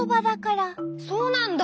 そうなんだ。